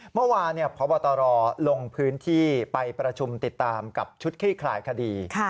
เมื่อวานพบตรลงพื้นที่ไปประชุมติดตามกับชุดคลี่คลายคดี